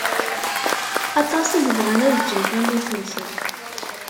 Aṭas i yebɣan ad ǧǧen tamurt-nsen.